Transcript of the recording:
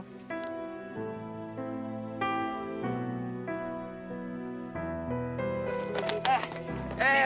dia pasti senang